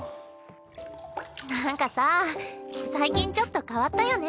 なんかさ最近ちょっと変わったよね